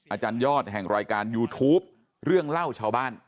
อาจารยอดแห่งรายการยูทูปเรื่องเล่าชาวบ้าน